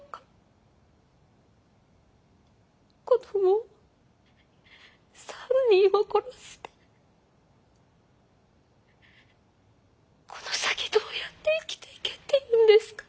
子どもを３人も殺してこの先どうやって生きていけって言うんですか？